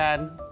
baik bang harun